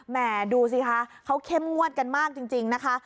ดูสิคะเขาเข้มงวดกันมากจริงนะคะ